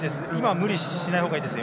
無理しないほうがいいです。